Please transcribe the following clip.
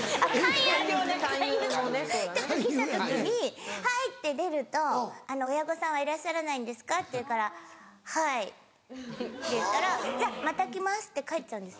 が来た時に「はい」って出ると「親御さんはいらっしゃらないんですか」って言うから「はい」って言ったら「じゃあまた来ます」って帰っちゃうんです。